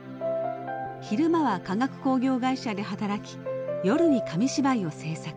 昼間は化学工業会社で働き夜に紙芝居を制作。